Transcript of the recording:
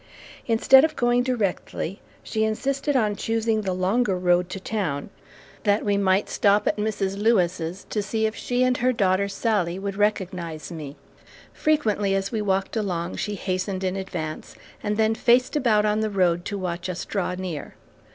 Instead of going directly, she insisted on choosing the longer road to town, that we might stop at Mrs. Lewis's to see if she and her daughter Sallie would recognize me. Frequently as we walked along, she hastened in advance, and then faced about on the road to watch us draw near.